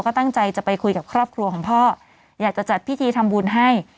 ก็ตั้งใจจะไปคุยกับครอบครัวของพ่ออยากจะจัดพิธีทำบุญให้